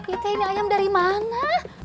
ini ayam dari mana